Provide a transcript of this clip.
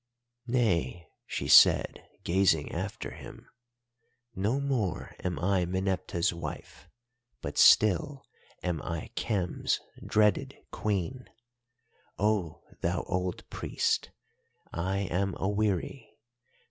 "'Nay,' she said, gazing after him, 'no more am I Meneptah's wife, but still am I Khem's dreaded Queen. Oh, thou old priest, I am aweary.